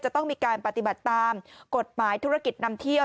จะต้องมีการปฏิบัติตามกฎหมายธุรกิจนำเที่ยว